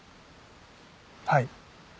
はい。